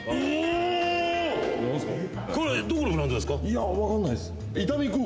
いや分かんないっす。